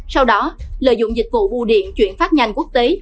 sau đó lợi dụng dịch vụ bu điện chuyển phát nhanh quốc tế